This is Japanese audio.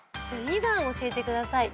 ２番教えてください。